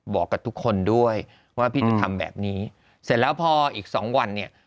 บอกกับทุกคนด้วยว่าพี่จะทำแบบนี้เสร็จแล้วพออีกสองวันเนี่ย